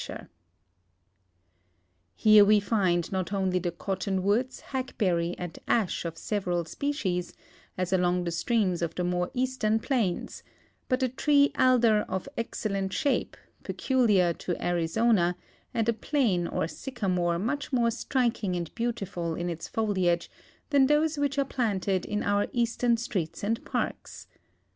216 THE FORESTS AND DESERTS OF ARIZONA Here we find not onh'^ the cottonwoods, hackberry, and ash of several species, as along the streams of the more eastern plains, but a tree alder of excellent shape, peculiar to Arizona, and a plane or sycamore much more striking and beautiful in its foliage than those which are planted in our eastern streets and parks.